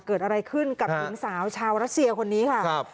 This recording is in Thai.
เกิดอะไรขึ้นกับหญิงสาวชาวรัสเซียคนนี้ค่ะ